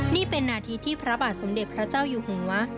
นี่เป็นนาทีที่พระบาทสมเด็จพระเจ้าอยู่หัว